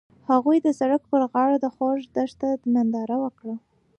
هغوی د سړک پر غاړه د خوږ دښته ننداره وکړه.